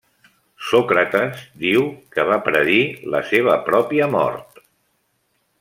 Sòcrates diu que va predir la seva pròpia mort.